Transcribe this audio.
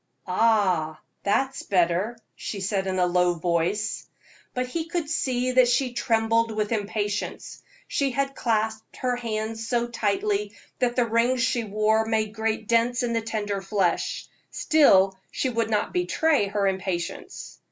"Ah! that's better," she said in a low voice. But he could see that she trembled with impatience. She had clasped her hands so tightly that the rings she wore made great dents in the tender flesh; still she would not betray her impatience.